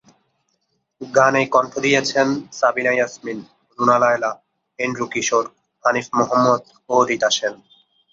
গানে কণ্ঠ দিয়েছেন সাবিনা ইয়াসমিন, রুনা লায়লা, এন্ড্রু কিশোর, হানিফ মোহাম্মদ ও রীতা সেন।